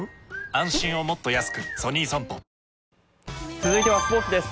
続いてはスポーツです。